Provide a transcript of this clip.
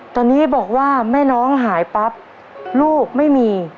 ตอนนี้บอกว่าแม่น้องหายปั๊บลูกไม่มี